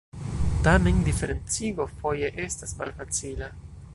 Tamen diferencigo foje estas malfacila.